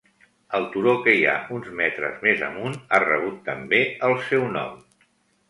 El turó que hi ha uns metres més amunt ha rebut també el seu nom.